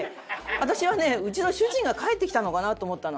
私はねうちの主人が帰ってきたのかなと思ったの。